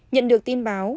nhận được tin báo